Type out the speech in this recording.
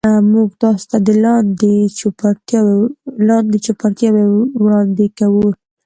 موږ تاسو ته لاندې چوپړتیاوې وړاندې کوو.